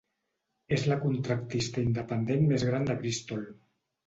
És la contractista independent més gran de Bristol.